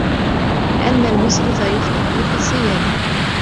لِأَنَّ الْمُسْرِفَ يُخْطِئُ فِي الزِّيَادَةِ